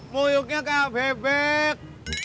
muluknya kayak bebek